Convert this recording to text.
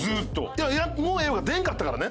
いや「もうええわ」が出んかったからね。